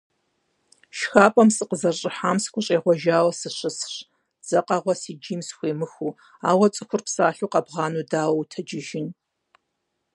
ШхапӀэм сыкъызэрыщӀыхьам сыхущӀегъуэжауэ сыщысщ, дзэкъэгъуэ си джийм схуемыхыу, ауэ цӀыхур псалъэу къэбгъанэу дауэ утэджыжын.